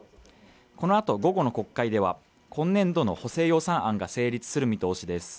このあと午後の国会では今年度の補正予算案が成立する見通しです